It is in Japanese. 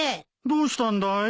どうしたんだい？